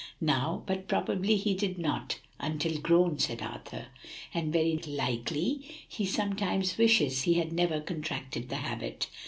"Now, but probably he did not until grown," said Arthur. "And very likely he sometimes wishes he had never contracted the habit.